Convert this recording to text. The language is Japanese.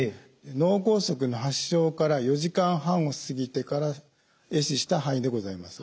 脳梗塞の発症から４時間半を過ぎてからえ死した範囲でございます。